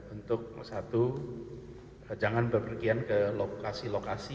untuk satu jangan berpergian ke lokasi lokasi